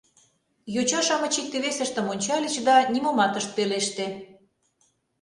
Йоча-шамыч икте-весыштым ончальыч да нимомат ышт пелеште.